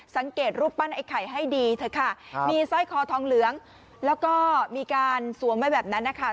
สังเกตรูปปั้นไอ้ไข่ให้ดีเถอะค่ะมีสร้อยคอทองเหลืองแล้วก็มีการสวมไว้แบบนั้นนะคะ